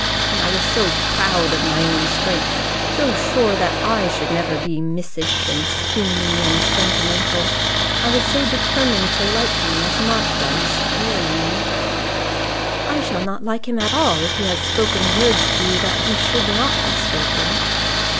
And I was so proud of my own strength; so sure that I should never be missish, and spoony, and sentimental! I was so determined to like him as Mark does, or you " "I shall not like him at all if he has spoken words to you that he should not have spoken."